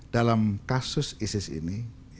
dalam kasus isis ini